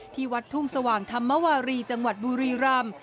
ที่วัดทุ่งสว่างธรรมวารีจังหวัดบุรีรำ